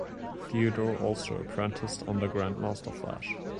Theodore also apprenticed under Grandmaster Flash.